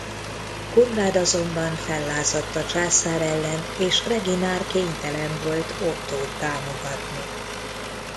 Konrád azonban fellázadt a császár ellen és Reginár kénytelen volt Ottót támogatni.